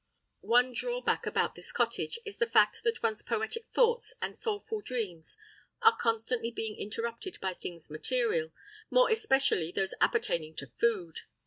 One drawback about this cottage is the fact that one's poetic thoughts and soulful dreams are constantly being interrupted by things material, more especially those appertaining to food!